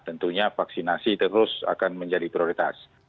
tentunya vaksinasi terus akan menjadi prioritas